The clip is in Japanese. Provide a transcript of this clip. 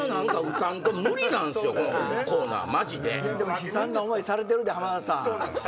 悲惨な思いされてるで浜田さん。